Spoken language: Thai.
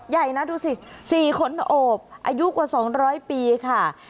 ย่ายนะทุกสิ๔คนสวบอายุกว่า๒๐๐ปีค่ะ